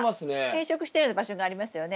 変色したような場所がありますよね。